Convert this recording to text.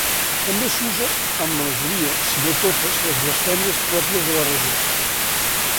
També s'usa amb la majoria, si no totes, les blasfèmies pròpies de la regió.